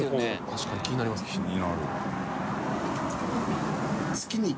確かに気になりますね。